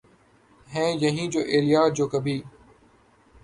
ہیں یہی جونؔ ایلیا جو کبھی